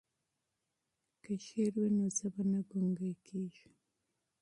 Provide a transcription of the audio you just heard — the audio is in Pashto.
که شعر وي نو ژبه نه ګونګیږي.